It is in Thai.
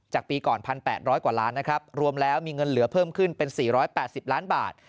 ปีก่อน๑๘๐๐กว่าล้านนะครับรวมแล้วมีเงินเหลือเพิ่มขึ้นเป็น๔๘๐ล้านบาท